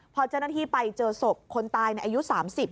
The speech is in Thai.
พอเจ้านาทีไปเจอศพคนตายในอายุสามสิบ